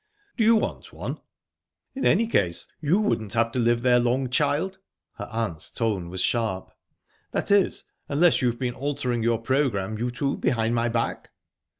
"Do you want one?" "In any case, you wouldn't have to live there long, child." Her aunt's tone was sharp. "That is, unless you've been altering your programme, you two, behind my back?"